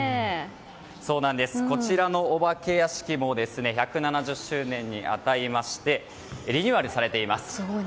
こちらのお化け屋敷も１７０周年に当たりましてリニューアルされています。